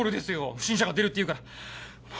不審者が出るっていうから。